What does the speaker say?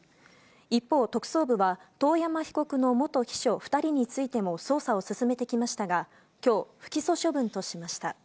一方、特捜部は、遠山被告の元秘書２人についても捜査を進めてきましたが、きょう、不起訴処分としました。